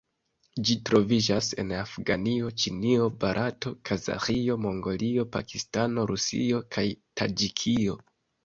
Ĝi troviĝas en Afganio, Ĉinio, Barato, Kazaĥio, Mongolio, Pakistano, Rusio kaj Taĝikio.